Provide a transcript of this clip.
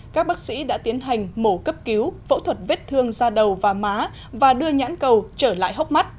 các bác sĩ đã tiến hành mổ cấp cứu phẫu thuật vết thương ra đầu và má và đưa nhãn cầu trở lại hốc mắt